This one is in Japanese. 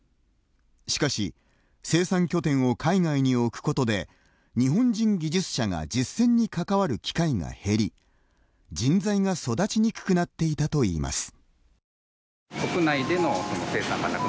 しかし生産拠点を海外に置くことで日本人技術者が実践に関わる機会が減り人材が育ちにくくなっていたといいます。